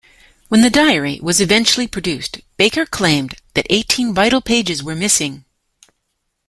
When the diary was eventually produced, Baker claimed that eighteen vital pages were missing.